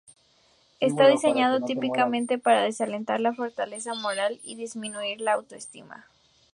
Están diseñados típicamente para desalentar la fortaleza moral y disminuir la autoestima.